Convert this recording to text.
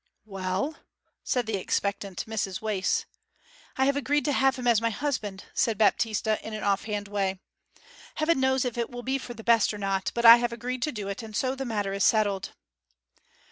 'Well?' said the expectant Mrs Wace. 'I have agreed to have him as my husband,' said Baptista, in an off hand way. 'Heaven knows if it will be for the best or not. But I have agreed to do it, and so the matter is settled.'